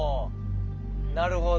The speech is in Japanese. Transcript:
なるほど。